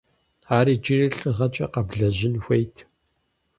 Ар иджыри лӏыгъэкӏэ къэблэжьын хуейт.